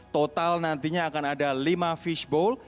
total nantinya akan ada lima fishbowl